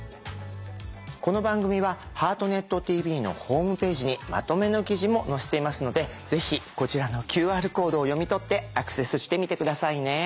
この番組は「ハートネットＴＶ」のホームページにまとめの記事も載せていますのでぜひこちらのＱＲコードを読み取ってアクセスしてみて下さいね。